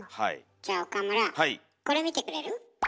じゃあ岡村これ見てくれる？